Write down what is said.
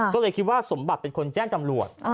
ก็เลยคิดว่าสมบัติเป็นคนแจ้งตำรวจ